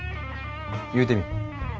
言うてみい。